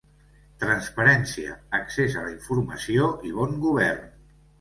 Transparència, accés a la informació i bon govern.